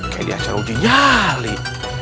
kayak di acara udi nyali